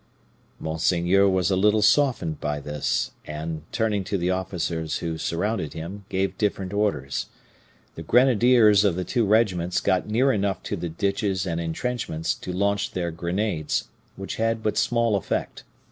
"Monseigneur was a little softened by this; and, turning to the officers who surrounded him, gave different orders. The grenadiers of the two regiments got near enough to the ditches and intrenchments to launch their grenades, which had but small effect.